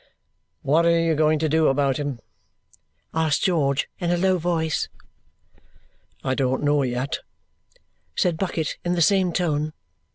"What are you going to do about him?" asked George in a low voice. "I don't know yet," said Bucket in the same tone.